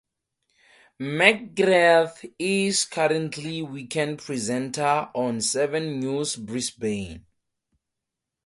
McGrath is currently weekend presenter on "Seven News Brisbane".